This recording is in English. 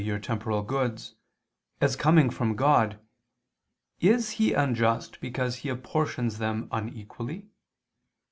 your temporal goods, "as coming from God, is He unjust because He apportions them unequally?